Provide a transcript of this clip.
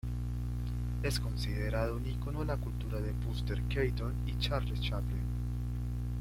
Es considerado un icono a la altura de Buster Keaton o Charles Chaplin.